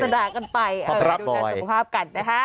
และดูกันดูครับค่ะ